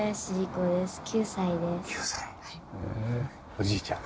おじいちゃん。